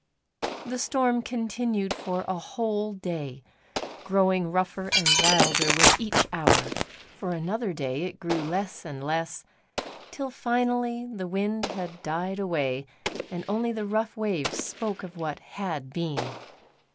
The storm continued for a whole day, growing rougher and wilder with each hour. For another day it grew less and less, till finally the wind had died away and only the rough waves spoke of what had been.